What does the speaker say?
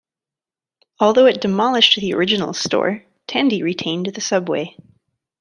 Although it demolished the original store, Tandy retained the subway.